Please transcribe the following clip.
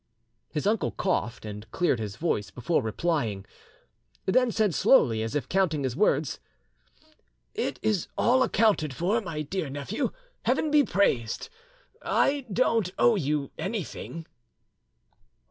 His uncle coughed and cleared his voice before replying, then said slowly, as if counting his words— "It is all accounted for, my dear nephew; Heaven be praised! I don't owe you anything."